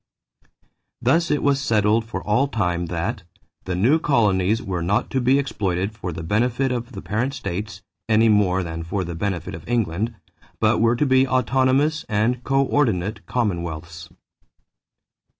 Thus it was settled for all time that "the new colonies were not to be exploited for the benefit of the parent states (any more than for the benefit of England) but were to be autonomous and coördinate commonwealths."